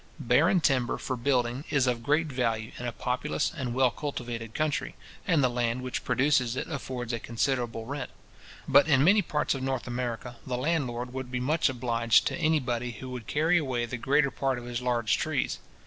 Barren timber for building is of great value in a populous and well cultivated country, and the land which produces it affords a considerable rent. But in many parts of North America, the landlord would be much obliged to any body who would carry away the greater part of his large trees.